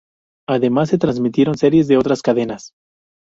Además se transmitieron series de otras cadenas.